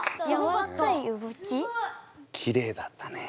きれいだったね。